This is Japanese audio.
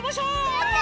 やった！